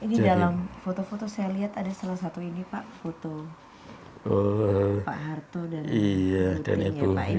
ini dalam foto foto saya lihat ada salah satu ini pak